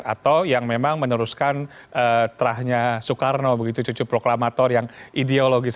atau yang memang meneruskan terahnya soekarno begitu cucu proklamator yang ideologis